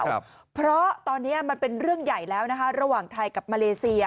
ครับเพราะตอนเนี้ยมันเป็นเรื่องใหญ่แล้วนะคะระหว่างไทยกับมาเลเซีย